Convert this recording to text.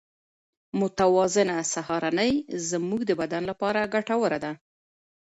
متوازنه سهارنۍ زموږ د بدن لپاره ګټوره ده.